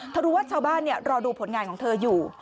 รู้ว่าชาวบ้านรอดูผลงานของเธออยู่